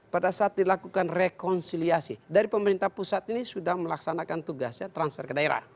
pada saat dilakukan rekonsiliasi dari pemerintah pusat ini sudah melaksanakan tugasnya transfer ke daerah